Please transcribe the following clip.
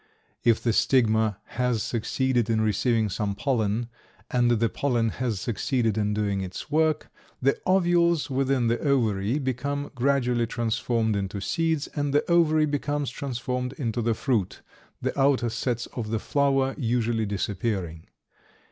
If the stigma has succeeded in receiving some pollen, and the pollen has succeeded in doing its work, the ovules within the ovary become gradually transformed into seeds, and the ovary becomes transformed into the fruit, the outer sets of the flower usually disappearing.